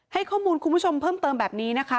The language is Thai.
ให้ข้อมูลเพิ่มเติมแบบนี้นะคะ